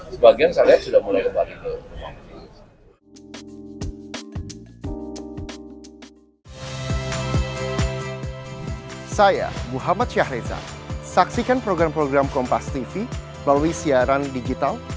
sebagian saya lihat sudah mulai lebar itu